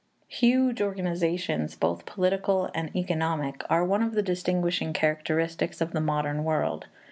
Huge organizations, both political and economic, are one of the distinguishing characteristics of the modern world.